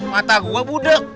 mata gua budak